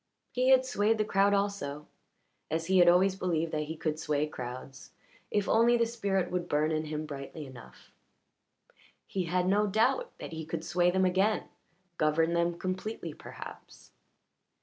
He had swayed the crowd also as he had always believed that he could sway crowds if only the spirit would burn in him brightly enough; he had no doubt that he could sway them again, govern them completely perhaps.